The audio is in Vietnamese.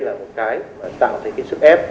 là một cái tạo ra cái sự ép